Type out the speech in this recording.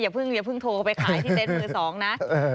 อย่าเพิ่งโทรเข้าไปขายที่เต้นมือสองนะ